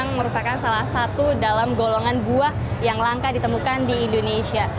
yang merupakan salah satu dalam golongan buah yang langka ditemukan di indonesia